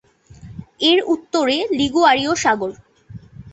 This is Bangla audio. এর উত্তরে লিগুয়ারীয় সাগর।